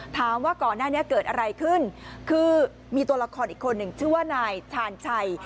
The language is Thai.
ถามว่าก่อนหน้านี้เกิดอะไรขึ้นคือมีตัวละครอีกคนหนึ่งชื่อว่านายชาญชัย